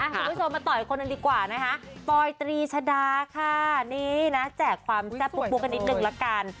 กลับมาต่อไปให้คนอื่นดีกว่านะคะปอยตรีชะดาค่ะนี่นะแจกความแป๊บบุกกันอีกนึงแล้วกัน